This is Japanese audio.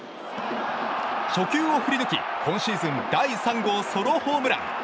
初回を振り抜き今シーズン第３号ソロホームラン。